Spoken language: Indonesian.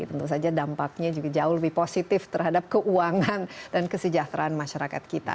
tentu saja dampaknya juga jauh lebih positif terhadap keuangan dan kesejahteraan masyarakat kita